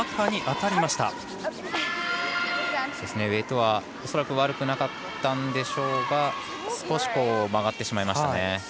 ウエートは恐らく悪くなかったんでしょうが少し曲がってしまいましたね。